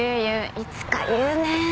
いつか言うねえ。